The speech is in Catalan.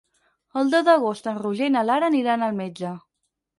El deu d'agost en Roger i na Lara aniran al metge.